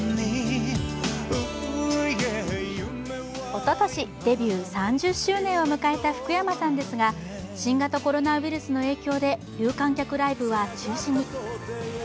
おととし、デビュー３０周年を迎えた福山さんですが新型コロナウイルスの影響で有観客ライブは中止に。